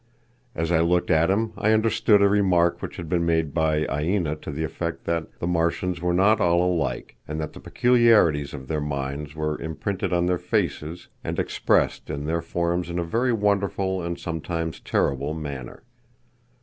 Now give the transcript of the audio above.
As I looked at him I understood a remark which had been made by Aina to the effect that the Martians were not all alike, and that the peculiarities of their minds were imprinted on their faces and expressed in their forms in a very wonderful, and sometimes terrible manner.